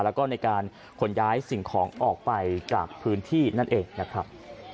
แล้วก็ในการขนย้ายสิ่งของออกไปจากพื้นที่นั่นเองนะครับ